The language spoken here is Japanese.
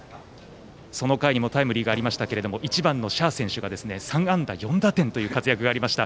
その回にもタイムリーがありましたが１番の謝選手が３安打４打点の活躍がありました。